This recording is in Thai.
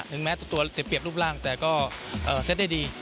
หรือแม้ตัวเศรษฐ์เปรียบรูปร่างแต่ก็เซตได้ดี